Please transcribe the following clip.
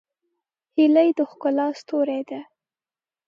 هیلۍ د ښکلا ستوری ده